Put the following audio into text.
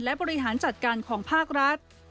และบริหารจัดการของภาครัฐ